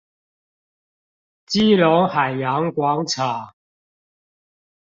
基隆海洋廣場